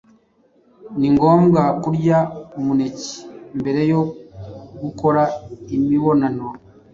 ni ngombwa kurya umuneke mbere yo gukora imibonano